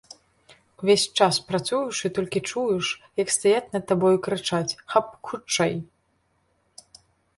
Увесь час працуеш, і толькі чуеш, як стаяць над табой і крычаць, каб хутчэй.